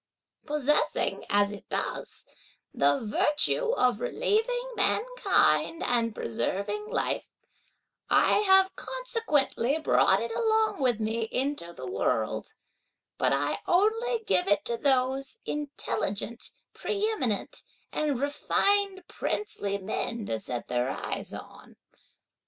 Possessing, as it does, the virtue of relieving mankind and preserving life, I have consequently brought it along with me into the world, but I only give it to those intelligent preëminent and refined princely men to set their eyes on.